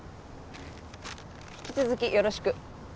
引き続きよろしく。